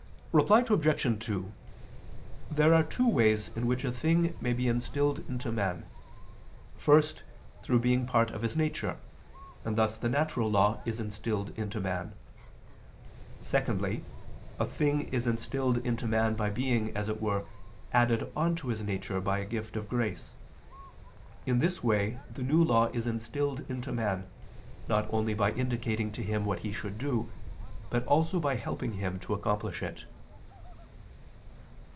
Reply Obj. 2: There are two ways in which a thing may be instilled into man. First, through being part of his nature, and thus the natural law is instilled into man. Secondly, a thing is instilled into man by being, as it were, added on to his nature by a gift of grace. In this way the New Law is instilled into man, not only by indicating to him what he should do, but also by helping him to accomplish it.